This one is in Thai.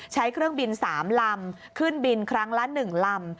ใช้เครื่องบิน๓ลำขึ้นบินครั้งละ๑ลำ